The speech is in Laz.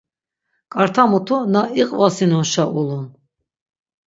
Ǩarta mutu na iqvasinonşa ulun.